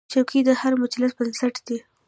چوکۍ د هر مجلس بنسټ دی.